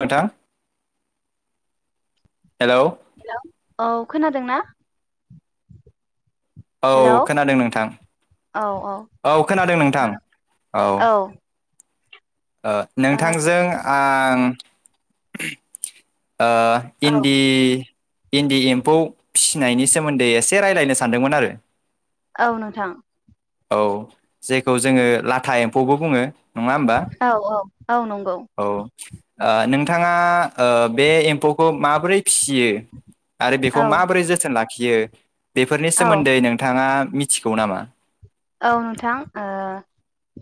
नोंथां hello. Hello औ खोनादों ना? औ खोनादों नोंथां औ औ खोनादों नोंथां औ। आं नोंथांजों आं [inaudible] औ औ इन्दि इन्दि एम्फौ फिसिनायनि सोमोन्दै एसे रायलायनो सानदोंमोन आरो औ नोंथां औ जेखौ जोङो लाथा एम्फौबो बुङो। नङा होमबा? औ औ औ नंगौ औ ओ नोंथाङा ओ बे एम्फौखौ माबोरै फिसियो आरो बेखौ औ माबोरै जोथोन ला खियो बेफोरनि औ सोमोन्दै नोंथाङा मि थिगौ नामा? औ नोंथां ओ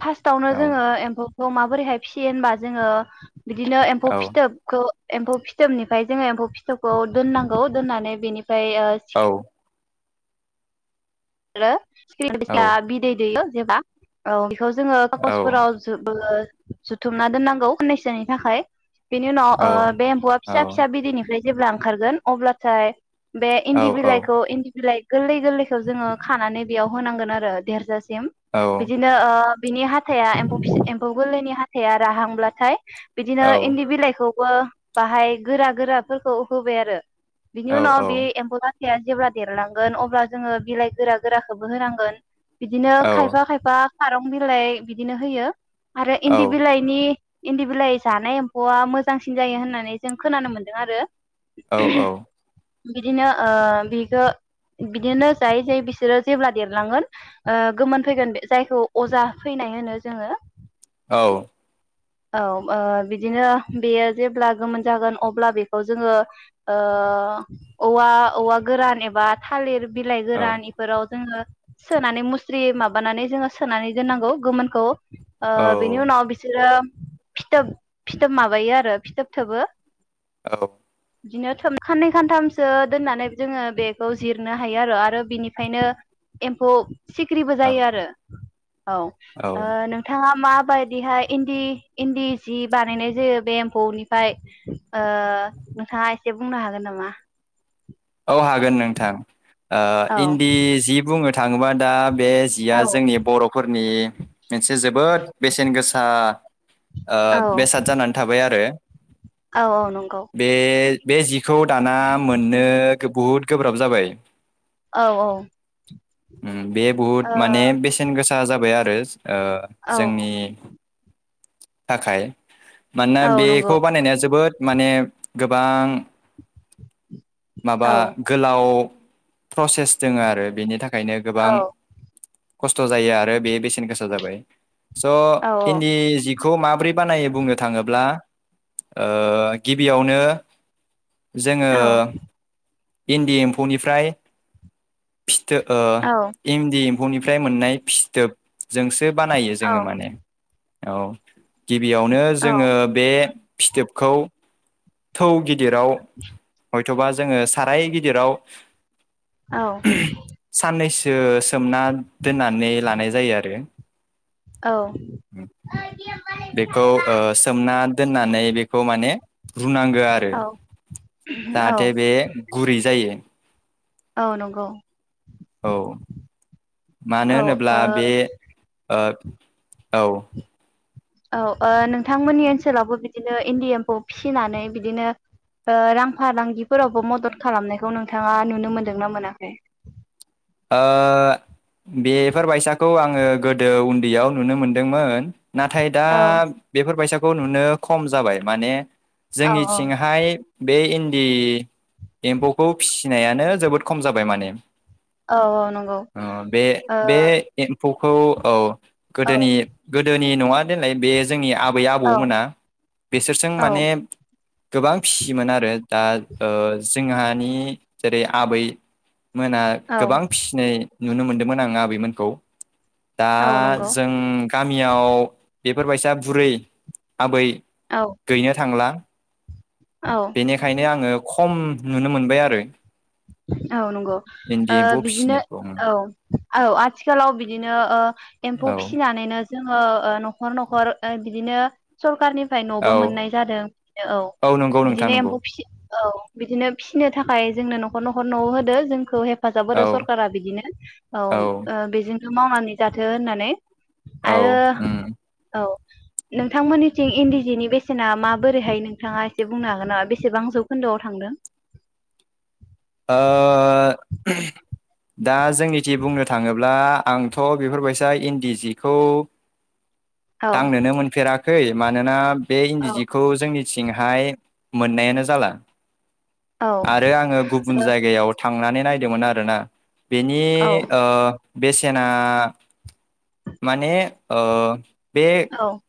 फार्स्टआवनो औ जोङो एम्फौ खौ बोरैहाय फिसियो होनबा जोङो बिदिनो एम्फौ औ फिथोबखौ एम्फौ फिथोबनिफ्राय जोङो एम्फौ फिथोबखौ दोननांगौ बेनिफ्राय फाय ओ औ [unintelligible] औ [unintelligible] बिदै दैयो एबा औ बेखौ जोङो औ कागसफोराव जोंङो जुथुमना दोननांगौ खाननैसोनि थाखाय बिनि उनाव ओ औ बे एम्फौआ औ फिसा फिसा बिदैनिफ्राय जेब्ला ओंखारगोन अब्लाथाय बे औ इन्दि बिलाइखौ इन्दि बिलाइ गोरलै गोरलैखौ जोङो बेयाव होनांगोन आरो देरजासि औ बिदिनो ओ बिनि हाथाया एम एम्फौ गोरलैनि हा हाथाया राहांब्लाथाय बिदिनो इन्दि बिलाइखौ बो बाहाय गोरा गोराफोरखौ होबाय आरो औ बिनि उनाव बे एम्फौ लाथा फिसाया जेब्ला देरलांगोन अब्ला जोङो बिलाइ गोरा गोराखौबो होनांगोन बिदिनो औ खायफा खायफा खारं बिलाइ बिदिनो होयो आरो इन्दि बिलाइनि इन्दि बिलाइ जानाय एम्फौआ मोजांसिन जायो होननानै जों खोनानो मोन्दों आरो औ औ बिदिनो ओ बिखो बिदिनो जायै जायै बिस बिसोरो जेब्ला देरलांगोन ओ गोमोन फैगोन बे जायखौ अजा फैनाय होनो जोङो औ औ‌ ओ बिदिनो बेयो जेब्ला गोमोन जागोन अब्ला बेखौ जोङो ओ औवा औवा गोरान एबा थालिर बिलाइ औ गोरान इफोराव जोङो सोनानै मुस्रि माबानानै जोङो सोनानै दोननांगौ गोमोनखौ ओ बेनि उनाव बिसोरो फिथोब फिथोब माबायो आरो फिथोब थोबो औ बिदिनो थोब खाननै खानथामसो दोननानै जोङो बेखौ जिरनो हायो आरो आरो बिनिफ्रायनो एम्फौ सिख्रिबो जायो आरो औ ओ औ नोंथाङा मा बायदिहाय इन्दि इन्दि सि बानायनाय जायो बे एम्फौनिफ्राय ओ नोंथाङा एसे बुंनो हागोन नामा? औ हागोन नोंथां। ओ औ इन्दि जि बुङो थाङोबा दा बे जिया औ जोंनि बर'फोरनि मोनसे जोबोद बेसेन गोसा ओ बेसाद जानानै थाबाय आरो औ औ नंगौ। बेजि खौ दाना मोननो बुहुत गोब्राब जाबाय औ औ [inaudible] ओम बे बुहुत ओ माने बेसेन गोसा जाबाय आरो रेज आ औ जोंनि थाखाय मानोना औ नंगौ बेखौ बानायनाया जोबोद माने गोबां माबा औ गोलाव प्रसेस दङो आरो बेनि थाख खायनो गोबां औ खस्थ जायो आरो बे बेसेन गोसा जाबाय । औ स इन्दि जि खौ माब्रै बानायो बुंनो थाङोब्ला ओ गिबियावनो जोङो औ इन्दि एम्फौनिफ्राय फिथो ओ औ एमदि एम्फैनिफ्राय मोननाय फिथोब जोंसो बानायो औ जोङो माने । औ गिबियावनो जोङो औ बे फिथोबखौ थौ गिदिर दिराव [unintelligible] जोङो साराय गिदिराव साननैसो सोमना दोननानै लानाय जायो आरो बेखौ ओ सोमना दोननानै बेखौ माने रुनांगो आरो औ दा औ जेबे गुरै जायो। औ नंगौ । औ औ मानो ओ होनोब्ला बे ओ औ औ ओ नोंथांमोननि ओनसोलावबो बिदिनो इन्दि एम्फ फिसिनानै बिदिनो ओ रां फालांगिफोरावबो मदद खालामनायखौ नोंथाङा नुनो मोनदोंना मोनाखै? ओ बेफोरबायसाखौ आं ङो गोदो उन्दैयाव नुनो मोनदोंमोन। नाथाय दा औ बेफोरबायसा खौ नुनो खम जाबाय माने औ औ जोंनिथिंहाय बे इन्दि एम्फौखौ फिसिनायानो जोबोद खम जाबाय माने। औ औ नंगौ अ' बे ओ बे एम्फौ खौ औ औ गोदोनि गोदो नि नङा देनाय बे जोंनि आब आबै आबौ औ मोना बिसोरजों औ माने गोबां फिसियोमोन आरो दा ओ जोंहानि जेरै आबै मोना औ गोबां फिसिनाय नुनो मोनदोंमोन आं आबैमोनखौ। दा औ नंगौ जों गामियाव बेफोरबायसा बुरै आबै औ गैनो थांला। औ बेनिखायनो आङो खम नुनो मोनबाय आरो औ नंगौ इन्दि ओ ओ एम्फौ बिदिनो फिसिनायखौ औ औ आथिखालाव बिदिनो ओ एम्फौ औ फिसिनानैनो जोङो ओ न'खर न'खर ओ बिदिनो सरखारनि फाय न'बो औ मोननाय जादों बिनो औ नंगौ नोंथां बिदिनो नंगौ एम्फौ फि औ बिदिनो फिनो थाखाय जोंनो न'ख खर न'खर न'आव होदो जोंखौ हेफ हेफाजाब होदो औ सरकारा बिदिनो औ ओ बेजों‌ नो मावनानै जाथो होननानै। आरो औ उम औ नोंथांमोननिथिं इन्दि जिनि बेसेना माबोरैहाय नोंथाङा एसे बुंनो हागोन नामा? बेसेबां जौखोन्दोआव थांदों? ओ दा जोंनिथि बुंनो थाङोब्ला आंथ बेफोरबायसा इन्दि जिखौ औ दांनोनो मोनफेरा खै मानोना बे इन्दि औ जिखौ जोंनि थिंहाय मोननायानो जाला औ आरो आङो गुबुन जायगायाव थांनानै नायदोंमोन आरो ना बेनि औ ओ बेसेना माने ओ बे औ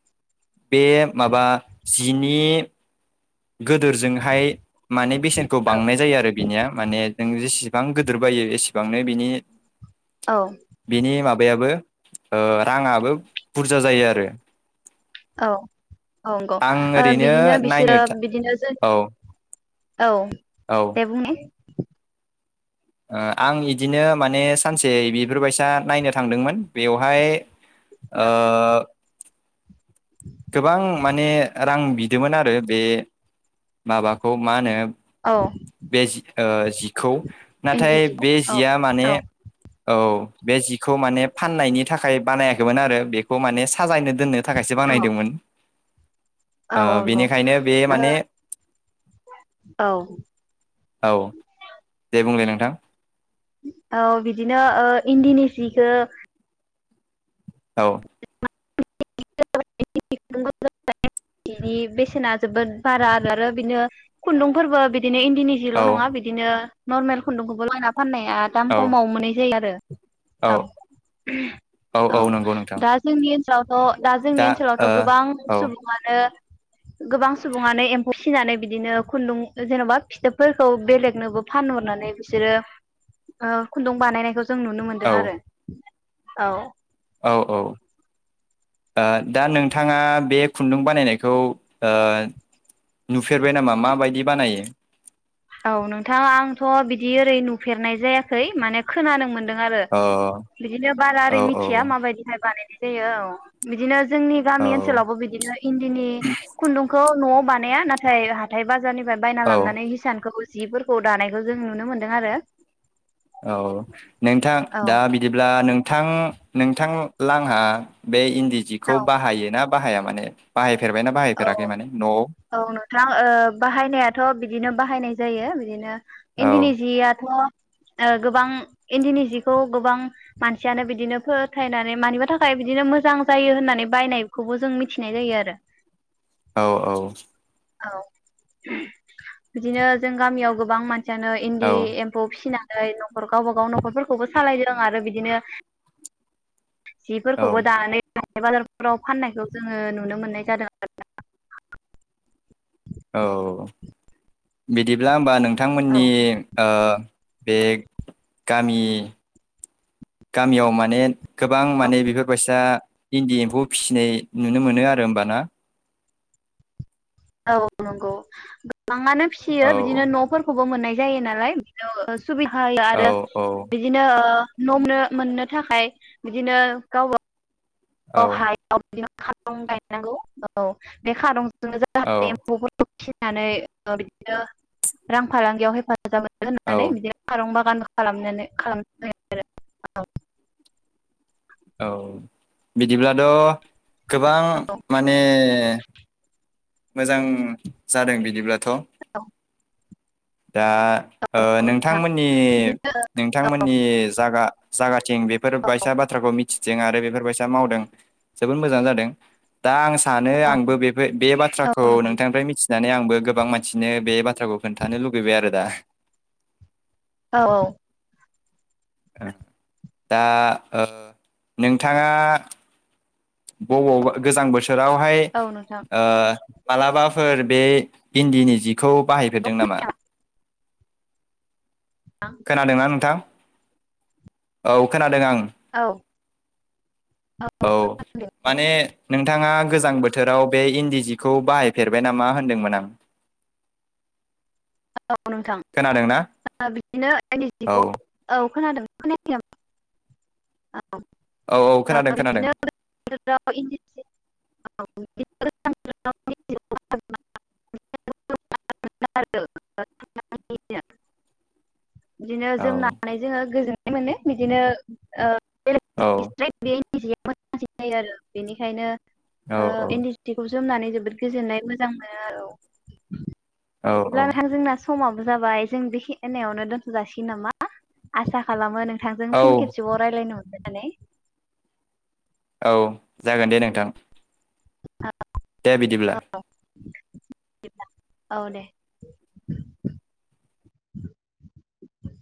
बे माबा जिनि गोदोरजोंहाय माने बेसेनखौ औ बांनाय जायो आरो बिनिया माने जों जेसे बिबां गिदिर बायो एसेबांनो बिनि औ बेनि माब माबायाबो ओ राङाबो बुरजा जायो आरो औ औ नंगौ आं ओ ओरैनो बिदिनो बिसोर नायनो बिदिनो जों औ औ औ दे बुं ने ओ आं इदिनो माने सानसे बिफोरबायसा नायनो थांदोंमोन बेवहाय ओ गोबां माने रां बिदोंमोन आरो बे माबाखौ मा होनो औ बे जि जिखौ नाथाय इन्दि जिखौ बे औ जिया माने औ औ बे जिखौ माने फाननायनि थाखाय बानायाखैमोन आरो बेखौ माने साजायनो दोननो थाखायसो औ औ बानायदोंमोन। औ ओ नंगौ बेनिखायनो बे माने ओ औ बुंदो नोंथां औ बिदिनो ओ इन्दिनि सिखौ औ [unintelligible] बिनि बेसेना जोबोद बारा आरो आरो बिनो खुन्दुंफोरबो बि बिदिनो इन्दिनि औ जल' नङा बिदिनो नर्मेल खुन्दुं [unintelligible] फाननाया दाम औ खमाव मोननाय जायो आरो औ औ दा जोंनि थ' दा जोंनि ओनसोलावथ' गोबां ओ औ सुबुङानो गोबां सुबुङानो एम्फौ फिसिनानै बिदिनो खुन्दुं जेन'बा फिथोबफोरखौ बेलेगनोबो फानहरनानै बिसोरो ओ खुन्दुं बानायनायखौ जों नुनो औ मोनदों आरो औ औ औ दा ओ नोंथाङा बे खुन्दुं बानायनायखौ ओ नुफेरबाय नामा माबायदि बानायो? औ नोंथां आंथ' बिदि ओरै नुफेरनाय जायाखै माने खोनानो मोन दों आरो अ बिदिनो बारा औ ओरै औ मिथिया माबायदिहाय बानायनाय। जायो औ बिदिनो। जोंनि गामि औ ओनसोलावबो बिदिनो इन्दिनि खुन्दुंखौ नआव बानाया नाथाय हाथाय बाजार आरनिफ्राय बायना औ लाबनानै हिसान। जिफोरखौ दानायखौ जों नुनो मोनदों आरो। औ नोंथां औ दा बिदिब्ला नों थां नोंथां आंहा बे औ दिजिखौ बाहायो ना बाहाया माने बाहाय औ औ नोंथां ओ बाहायनाया थ बिदिनो बाहायनाय। जायो बिदिनो। इ औ दिनिजि आथ ओ गोबां इन्दिनि जिखौ गोबां मानसियानो बिदिनो फोथायनानै मानिबा थाखाय बिदिनो मोजां जायो होननानै बायनायखौबो जों मिथिनाय जायो आरो। औ औ औ बिदिनो जों गामियाव गोबां मानसि। बिदिानो इन्दि औ एम्फौ फिसिना। नखर गावब गाव नखरफोरखौबो सालायदों आरो बिदिनो। जिफोरखौबो औ दानानै हाथाय बाजारफोराव फाननायखौ जोङो नुनो मोननाय जादों आरो ना। औ बिदिब्ला होमबा नों औ नोंथांमोननि ओ। बे गामि गामियाव माने गोबां माने बेफोरबायसा इन्दि एम्फौ फिसिनाय नुनो मोनो आरो होमबाना। औ नांगौ लांनानै फिसियो औ बिदिनो नफोरखौ। मोननाय जायो नालाय सुबिदा होयो औ आरो औ बिदिनो ओ नमनो मोननो थाखाय बिदिनो गावबा औ ओहाय बि खारं गायनांगौ औ बे खारं औ [unintelligible] फिनानै बिदिनो रां फालांगियाव हे मोजां मोनो औ होननानै बिदिनो फारं बगान खालाम खालाम औ औ बिदिब्ला द गोबां माने मोजां जादों बिदिब्लाथ औ दा ओ नोंथांमोननि नोंथांमोननि जागा जागा जों बेफोर बायसा बाथ्राखौ मि सिथिं आरो बेफोरबायसा मावदों जोबोद मोजां आनो जादों दा आं सानो आंबो बे औ बाथ्राखौ नोंथां नोंथांनिफ्राय मिथिनानै आंबो गो गोबां मानसिनो बे बाथ्राखौ खोन्था थानो लुगैबाय आरो दा औ औ दा ओ नोंथांङा बबावबा गोजां बोसो बोथोरावहाइ औ नोंथां ओ मालाबाफोर बे इन्दिनि जि बखौ बाहायफेरदों नामा? खोनादों ना नोंथां? औ खोनादों आं। औ औ माने नोंथांङा गोजां बोथोराव बे इन्दि जिखौ बाहायफेरबाय नामा होनदोंमोन आं औ नोंथां खोनादोंना बिदिनो इन्दि औ जिउखौ औ खोनादों खोनायाखै नामा? औ औ औ ओ खोनादों खोनादों बेदिनो [unintelligible] [unintelligible] [unintelligible] बिदिनो औ जोमनानै जोंङो गोजोन मोनो बिदिनो [unintelligible] [unintelligible] औ मोजांसिन जायो आरो बेनिखायनो औ ओ इन्दि जिखौ जों जोमनानै जोबोद गोजोननाय मोजां मोनो औ औ बेदिब्ला नोंथां औ जोंना स समाबो जाबाय जों बेखे खिनियावनो दोनथ' जाासिगोन नामा? आसा खालामो थांजों औ फिन खेबसेबाव‌ रायलायनो मोन [unintelligible] औ जागोन दे नोंथां [unintelligible] दे बिदिब्ला। औ दे